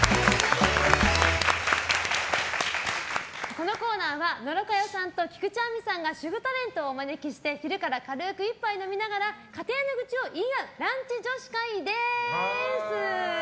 このコーナーは野呂佳代さんと菊地亜美さんが主婦タレントをお招きして昼から軽く１杯飲みながら家庭の愚痴を言い合うランチ女子会です。